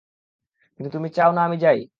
কি, তুমি চাও না আমি যাই?